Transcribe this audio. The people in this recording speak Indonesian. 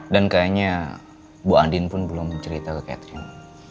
dan kayaknya bu andien pun belum cerita ke catherine